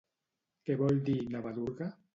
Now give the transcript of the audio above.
Què vol dir Navadurga?